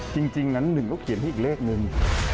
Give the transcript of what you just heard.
จริงนั้นหนึ่งก็เขียนให้อีกเลขนึง